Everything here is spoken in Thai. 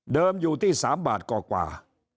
อยู่ที่๓บาทกว่า